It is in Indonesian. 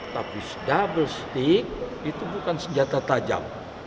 tapi double stick itu bukan senjata tajam